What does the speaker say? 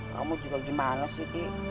kamu juga gimana sih ibu